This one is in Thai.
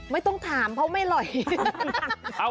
ไม่ต้องถามเพราะไม่อร่อย